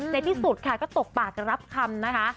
ในที่สุดค่ะก็ตกปากรับคำนะคะ